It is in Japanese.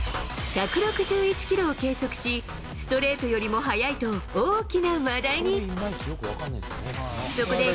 １６１キロを計測し、ストレートよりも速いと大きな話題に。